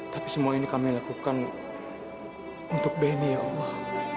tapi semua ini kami lakukan untuk beni ya allah